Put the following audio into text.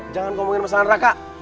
jangan ngomongin masalah neraka